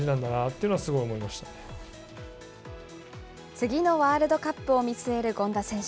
次のワールドカップを見据える権田選手。